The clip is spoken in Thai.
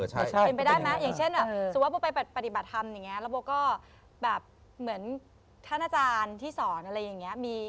เป็นไปได้ไหมอย่างเช่นแบบสมมุติโบไปปฏิบัติธรรมอย่างนี้แล้วโบก็แบบเหมือนท่านอาจารย์ที่สอนอะไรอย่างนี้